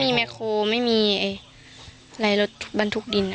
ไม่มีแมคโครไม่มีอะไรบรรทุกดินอ่ะ